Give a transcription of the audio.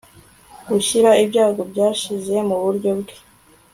Gushyira ibyago byashize muburyo bwe